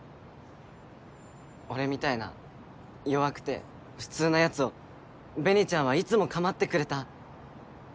俺みたいな弱くて普通なヤツを紅ちゃんはいつも構ってくれた。